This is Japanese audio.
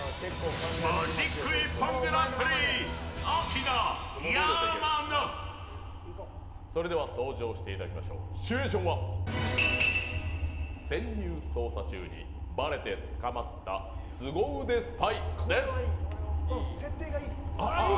マジック一本グランプリそれでは登場していただきましょうシチュエーションは潜入捜査中にばれて捕まった設定がいい。